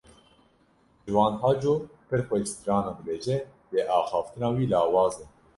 Ciwan Haco pir xweş stranan dibêje lê axaftina wî lawaz e.